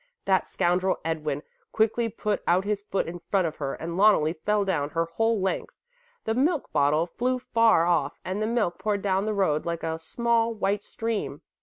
That scoundrel Edwin quickly put out his foot in front of her and Loneli fell down her whole length; the milk bottle flew far off and the milk poured down the road like a small white stream.